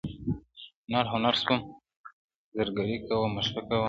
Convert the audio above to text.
هنر هنر سوم زرګري کومه ښه کومه ,